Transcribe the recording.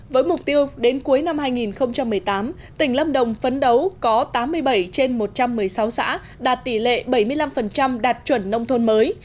với mục tiêu đến cuối năm hai nghìn một mươi tám tỉnh lâm đồng phấn đấu có tám mươi bảy trên một trăm một mươi sáu xã đạt tỷ lệ bảy mươi năm đạt chuẩn nông thôn mới